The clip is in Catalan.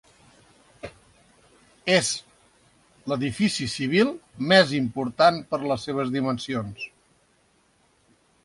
És l'edifici civil més important per les seves dimensions.